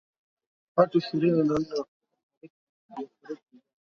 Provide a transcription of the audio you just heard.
Watu ishirini na nne wafariki katika mafuriko Uganda